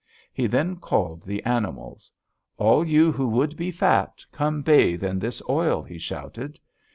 He then called the animals. 'All you who would be fat, come bathe in this oil,' he shouted.